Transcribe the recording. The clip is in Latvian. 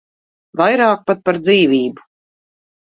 Vairāk pat par dzīvību.